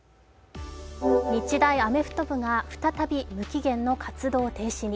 日大アメフト部が再び無期限の活動停止に。